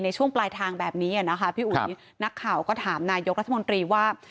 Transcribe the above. ในช่วงปลายทางแบบนี้นะคะพี่อุ๋ยนักข่าวก็ถามนายกรัฐมนตรีว่า